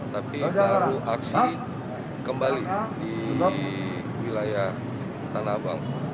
tapi baru aksi kembali di wilayah tanahabang